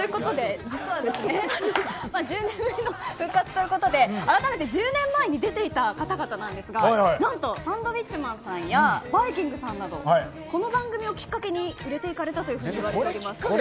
実は、１０年ぶりの復活ということで改めて１０年前に出ていた方々なんですが何とサンドウィッチマンさんやバイきんぐさんなどこの番組をきっかけに売れていかれたと聞いております。